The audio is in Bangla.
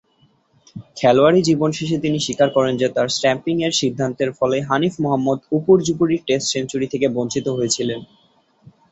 খেলোয়াড়ী জীবন শেষে তিনি স্বীকার করেন যে, তার স্ট্যাম্পিংয়ের সিদ্ধান্তের ফলেই হানিফ মোহাম্মদ উপর্যুপরি টেস্ট সেঞ্চুরি থেকে বঞ্চিত হয়েছিলেন।